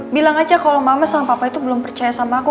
bilang aja kalau mama sama papa itu belum percaya sama aku